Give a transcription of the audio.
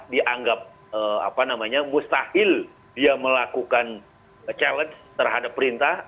dianggap mustahil dia melakukan challenge terhadap perintah